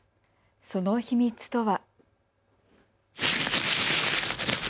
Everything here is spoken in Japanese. その秘密とは。